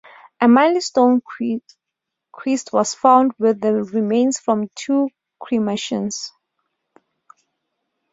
A limestone cist was found with the remains from two cremations.